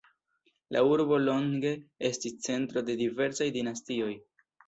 La urbo longe estis centro de diversaj dinastioj.